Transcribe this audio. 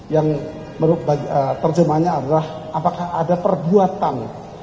yang menurut terjemahnya adalah apakah ada perbuatan